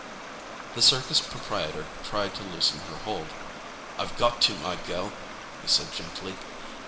The circus proprietor tried to loosen her hold. "I've got to, my girl," he said gently.